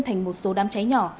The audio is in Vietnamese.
thành một số đám cháy nhỏ